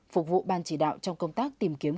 phục vụ ban chỉ đạo trong công tác tìm kiếm